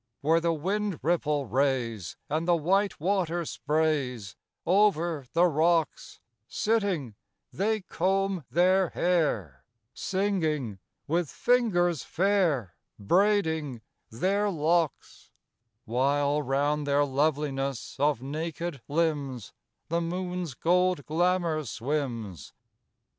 Where the wind ripple rays, And the white water sprays Over the rocks, Sitting, they comb their hair; Singing, with fingers fair Braiding their locks; While round their loveliness of naked limbs The moon's gold glamour swims.